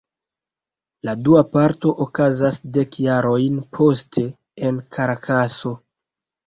La dua parto okazas dek jarojn poste, en Karakaso.